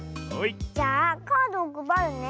じゃあカードをくばるね。